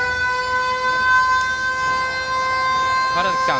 川原崎さん